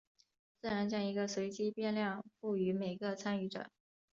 自然将一个随机变量赋予每个参与者。